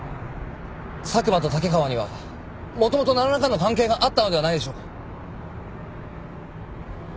佐久間と竹川にはもともとなんらかの関係があったのではないでしょうか？